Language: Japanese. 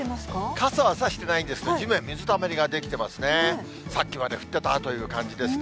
傘は差してないんですが、地面、水たまりが出来てますね。